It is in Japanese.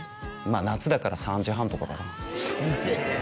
夏だから３時半とかかなえ